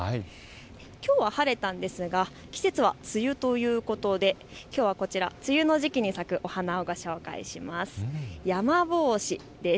きょうは晴れたんですが季節は梅雨ということできょうは梅雨の時期に咲くお花をご紹介します。